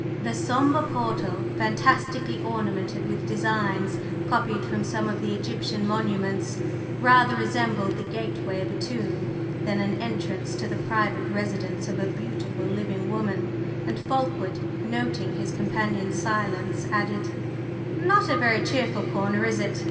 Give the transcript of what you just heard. The sombre portal, fantastically ornamented with designs copied from some of the Egyptian monuments, rather resembled the gateway of a tomb than an entrance to the private residence of a beautiful living woman, and Fulkeward, noting his companion's silence, added: "Not a very cheerful corner, is it?